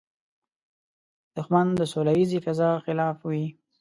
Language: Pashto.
دښمن د سولیزې فضا خلاف وي